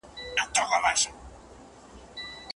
اوس پوره مات يم نور د ژوند له جزيرې وځم